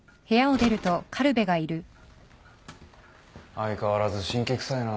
・相変わらず辛気くさいな。